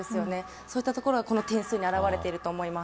そういったところがこの点数に表れていると思います。